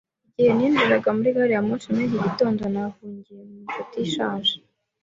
Igihe ninjiraga muri gari ya moshi muri iki gitondo, nahungiye mu nshuti ishaje.